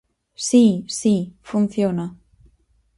Si, si, funciona.